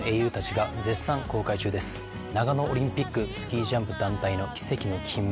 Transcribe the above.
長野オリンピックスキージャンプ団体の奇跡の金メダル。